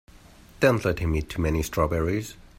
Don't let him eat too many strawberries.